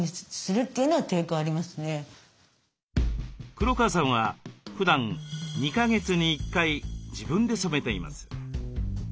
黒川さんはふだん２か月に１回自分で染めています。